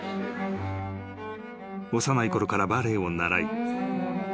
［幼いころからバレエを習い］